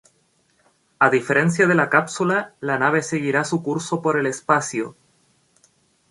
A diferencia de la cápsula, la nave seguirá su curso por el espacio.